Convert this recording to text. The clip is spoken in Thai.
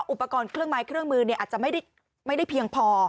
อุปกรณ์เครื่องไม้เครื่องมืออาจจะไม่ได้เพียงพอ